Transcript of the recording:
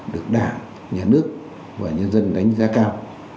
được đảng nhà nước và nhân dân đánh giá cao